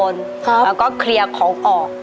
แล้วก็เคลียร์ของออก